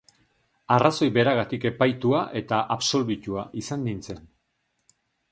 Arrazoi beragatik epaitua eta absolbitua izan nintzen.